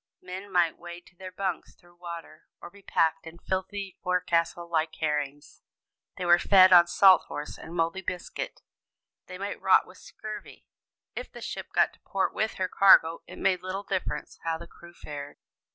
Men might wade to their bunks through water, or be packed in a filthy forecastle like herrings; they were fed on "salt horse" and moldy biscuit; they might rot with scurvy if the ship got to port with her cargo, it made little difference how the crew fared.